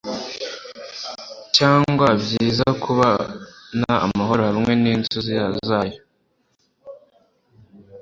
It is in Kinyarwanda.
cyangwa byiza kubona amahoro hamwe ninzuzi zayo